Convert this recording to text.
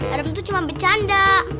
adam tuh cuma bercanda